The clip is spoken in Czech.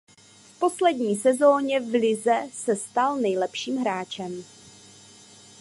V poslední sezóně v lize se stal nejlepším hráčem.